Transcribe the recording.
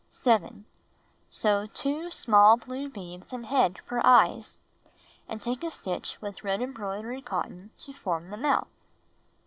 7. Sew two small blue beads in head for eyes, and take a stitch with red embroidery cot ton to form the mouth.